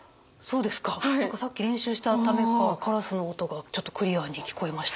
何かさっき練習したためかカラスの音がちょっとクリアに聞こえました。